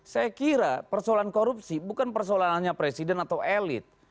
saya kira persoalan korupsi bukan persoalannya presiden atau elit